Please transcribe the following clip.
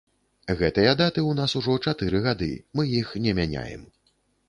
Гэтыя даты ў нас ужо чатыры гады, мы іх не мяняем.